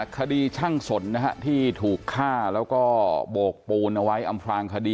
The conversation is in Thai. คดีช่างสนที่ถูกฆ่าแล้วก็โบกปูนเอาไว้อำพลางคดี